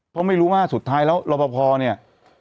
เพราะไม่รู้ว่าสุดท้ายแล้วรอปภเนี่ย